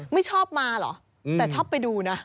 ไม่ชอบมาเหรอแต่ชอบไปดูนะ